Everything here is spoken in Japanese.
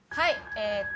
えっと。